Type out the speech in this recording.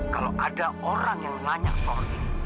kalau ada orang yang nanya kau ini